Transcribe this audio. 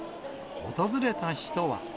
訪れた人は。